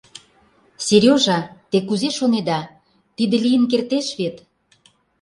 Сережа, те кузе шонеда, тиде лийын кертеш вет?